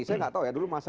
saya gak tahu ya